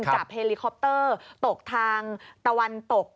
เฮลิคอปเตอร์ตกทางตะวันตก